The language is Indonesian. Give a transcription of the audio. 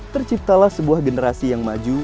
terciptalah sebuah generasi yang maju